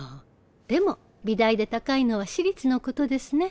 でも美大で高いのは私立のことですね。